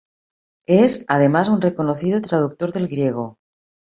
Es, además, un reconocido traductor de griego.